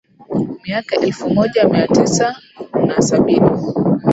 Miaka ya elfu moja mia tisa na sabini